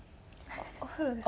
お風呂ですか？